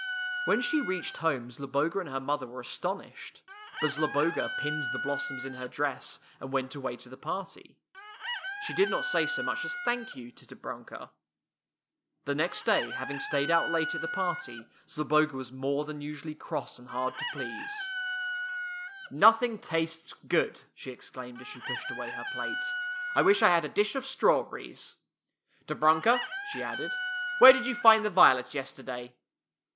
When she reached home Zloboga and her mother were astonished, but Zloboga pinned the blossoms in her dress and went away to the party. She did not say so much as " thank you " to Dobnmka. The next day, having stayed out late at the party, Zloboga was more than usually cross and hard to please. [ 14 ] THE TWELVE MONTHS " Nothing tastes good! " she exclaimed as she pushed away her plate. " I wish I had a dish of strawberries. Dobrunka/' she added, " where did you find the violets yes terday?